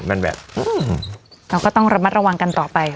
เราก็ต้องระมัดระวังกันต่อไป